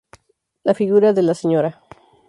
La figura de la Sra.